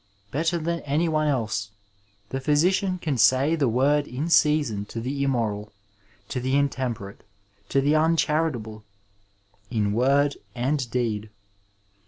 Better than any one eke the physician can say the word in season to the immoral, to the intemperate, to the uncharitable in word uid deed.